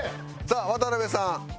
さあ渡邉さん。